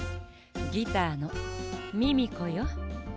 ギターのミミコよ。